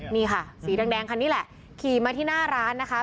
นี่ค่ะสีแดงคันนี้แหละขี่มาที่หน้าร้านนะคะ